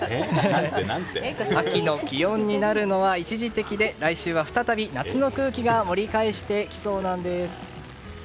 秋の気温になるのは一時的で来週は再び夏の空気が盛り返してきそうなんです。